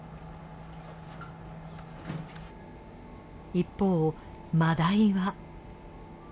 一方マダイは。